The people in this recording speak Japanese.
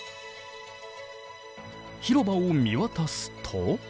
広場を見渡すと。